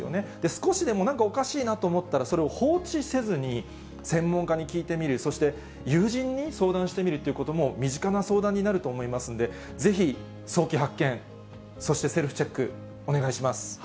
少しでもなんかおかしいなと思ったら、それを放置せずに、専門家に聞いてみる、そして友人に相談してみるということも、身近な相談になると思いますので、ぜひ早期発見、そしてセルフチェック、お願いします。